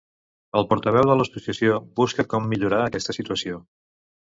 El portaveu de l'associació busca com millorar aquesta situació.